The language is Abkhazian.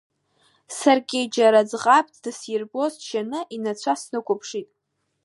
Саргьы, џьара ӡӷабк дысирбоз џьшьаны, инацәа снықәԥшит…